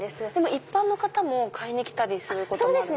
一般の方も買いに来たりするんですか？